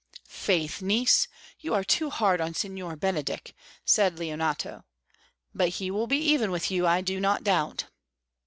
"Faith, niece, you are too hard on Signor Benedick," said Leonato. "But he will be even with you, I do not doubt."